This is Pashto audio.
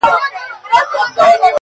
چي مي پېغلوټي د کابل ستایلې!.